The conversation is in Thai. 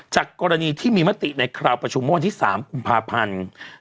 จากกรณีที่มีมติในคราวประชุมวันที่๓คุมภาพันธ์๒๐๑๕๒๐๑๔